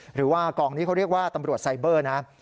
หรือว่ากองนี้เขาเรียกว่าตำรวจไซเบอร์นะ